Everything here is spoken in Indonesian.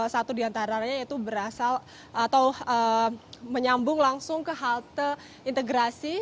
satu di antaranya itu berasal atau menyambung langsung ke halte integrasi